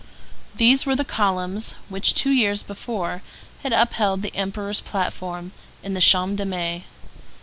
These were the columns which two years before had upheld the Emperor's platform in the Champ de Mai.